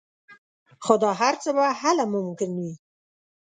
خو دا هر څه به هله ممکن وي